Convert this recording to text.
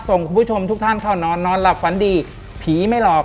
คุณผู้ชมทุกท่านเข้านอนนอนหลับฝันดีผีไม่หลอก